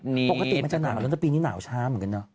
ปกติมันจะหนาวแล้วนะปีนี้หนาวช้าเหมือนกันเนอะ